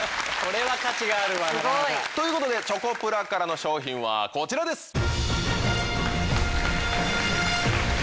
これは価値があるわなかなか。ということでチョコプラからの商品はこちらです！